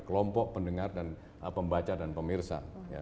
kelompok pendengar dan pembaca dan pemirsa